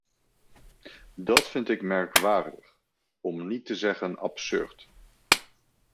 Dat vind ik merkwaardig, om niet te zeggen absurd.